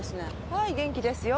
はい元気ですよ。